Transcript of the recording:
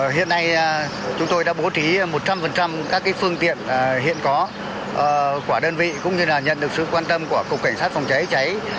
hiện nay chúng tôi đã bố trí một trăm linh các phương tiện hiện có của đơn vị cũng như là nhận được sự quan tâm của cục cảnh sát phòng cháy cháy